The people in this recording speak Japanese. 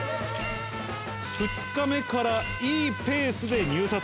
２日目からいいペースで入札。